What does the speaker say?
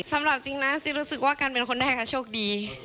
สำหรับจริงนะจริงรู้สึกว่ากันเป็นคนแรกค่ะโชคดี